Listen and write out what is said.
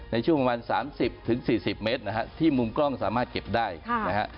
ในช่วงประมาณ๓๐๔๐เมตรนะฮะที่มุมกล้องสามารถเก็บได้นะฮะ